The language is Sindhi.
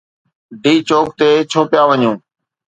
ڊي چوڪ تي ڇو پيا وڃو؟